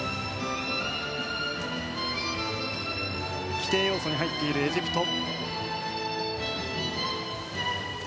規定要素に入っているエジプト。